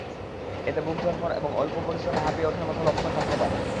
এতে বুক ধড়ফড় এবং অল্প পরিশ্রমে হাঁপিয়ে ওঠার মতো লক্ষণ থাকতে পারে।